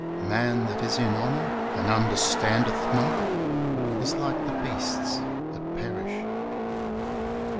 "Man that is in honor, and understandeth not, is like the beasts that perish."